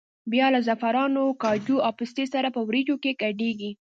بیا له زعفرانو، کاجو او پستې سره په وریجو کې ګډېږي.